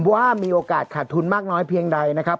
ว่ามีโอกาสขาดทุนมากน้อยเพียงใดนะครับ